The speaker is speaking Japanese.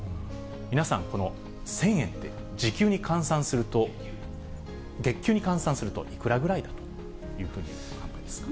皆さん、この１０００円って時給に換算すると、月給に換算すると、いくらぐらいだというふうに考えますか？